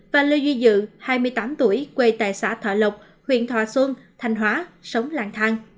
và lê duy dự hai mươi tám tuổi quê tại xã thọ lộc huyện thọ xuân thành hóa sống làng thang